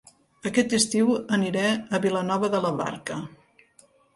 Aquest estiu aniré a Vilanova de la Barca